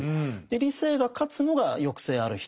理性が勝つのが抑制ある人